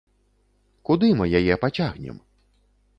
Куды мы яе пацягнем?